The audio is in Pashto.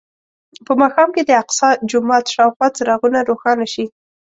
په ماښام کې د الاقصی جومات شاوخوا څراغونه روښانه شي.